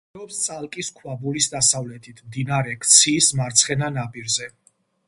მდებარეობს წალკის ქვაბულის დასავლეთით, მდინარე ქციის მარცხენა ნაპირზე.